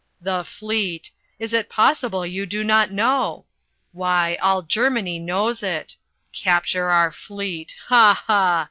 "The fleet! Is it possible you do not know? Why all Germany knows it. Capture our fleet! Ha! Ha!